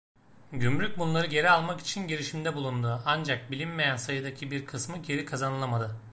Gümrük bunları geri almak için girişimde bulundu, ancak bilinmeyen sayıdaki bir kısmı geri kazanılamadı.